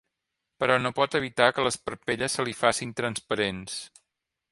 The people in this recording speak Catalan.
Però no pot evitar que les parpelles se li facin transparents.